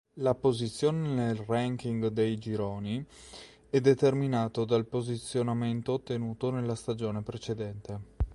La posizione nel ranking dei gironi è determinato dal posizionamento ottenuto nella stagione precedente.